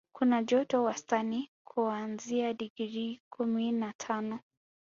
Kuna joto wastani kuanzia digrii kumi na tano